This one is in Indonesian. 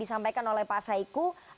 disampaikan oleh pak saiku